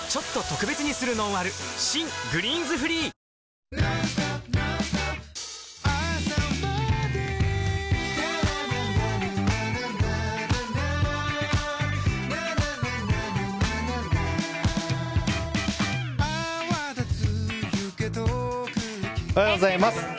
新「グリーンズフリー」おはようございます。